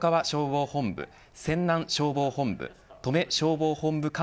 消防本部泉南消防本部登米消防本部